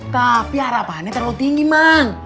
tapi harapannya terlalu tinggi mang